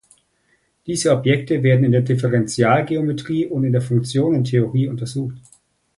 Diese Objekte werden in der Differentialgeometrie und der Funktionentheorie untersucht.